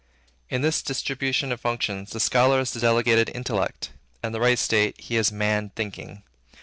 In this distribution of functions, the scholar is the delegated intellect. In the right state, he is, Man Thinking.